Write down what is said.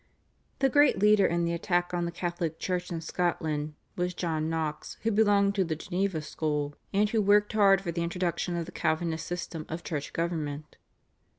The great leader in the attack on the Catholic Church in Scotland was John Knox who belonged to the Geneva school, and who worked hard for the introduction of the Calvinist system of Church government.